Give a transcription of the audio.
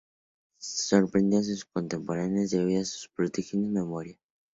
Sorprendió a sus contemporáneos debido a su prodigiosa memoria.